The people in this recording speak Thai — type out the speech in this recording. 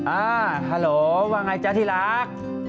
อ่าฮาโหลว่าไงจ๊ะที่รัก